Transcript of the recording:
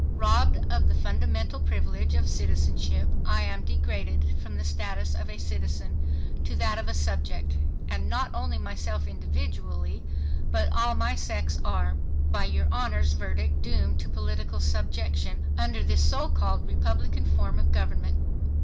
Robbed of the fundamental privilege of citizenship, I am degraded from the status of a citizen to that of a subject; and not only myself individually, but all my sex are, by your Honor's verdict doomed to political subjection under this so called republican form of government.